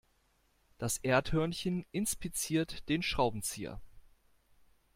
Das Erdhörnchen inspiziert den Schraubenzieher.